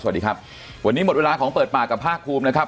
สวัสดีครับวันนี้หมดเวลาของเปิดปากกับภาคภูมินะครับ